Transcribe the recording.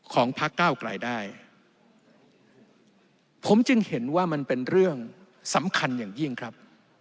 พักเก้าไกลได้ผมจึงเห็นว่ามันเป็นเรื่องสำคัญอย่างยิ่งครับ